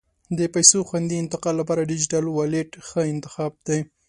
د پیسو خوندي انتقال لپاره ډیجیټل والېټ ښه انتخاب دی.